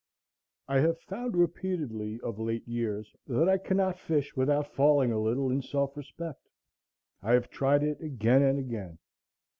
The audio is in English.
I have found repeatedly, of late years, that I cannot fish without falling a little in self respect. I have tried it again and again.